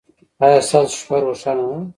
ایا ستاسو شپه روښانه نه ده؟